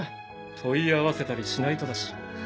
問い合わせたりしないとだし。